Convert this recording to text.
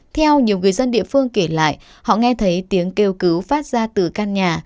theo nhiều người dân địa phương kể lại họ nghe thấy tiếng kêu cứu phát ra từ căn nhà